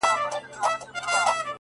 داسي نه كيږي چي اوونـــۍ كې گـــورم؛